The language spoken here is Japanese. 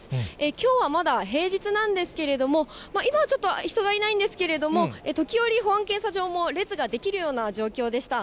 きょうはまだ平日なんですけれども、今はちょっと人がいないんですけれども、時折、保安検査場も列が出来るような状況でした。